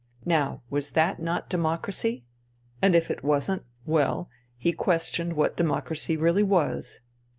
Now was that not democracy ? And if it wasn't, well, he questioned what democracy really was.